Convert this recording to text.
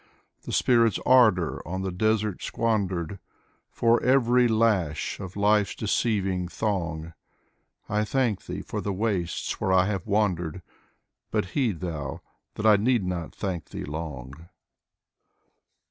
The spirit's ardor on the desert squandered. For every lash of life's deceiving thong; I thank Thee for the wastes where I have wandered : But heed Thou, that I need not thank Thee long.